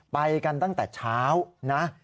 ไปกันตั้งแต่เช้านะ